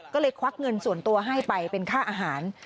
ก็เลยควักเงินส่วนตัวให้ไปเป็นค่าอาหาร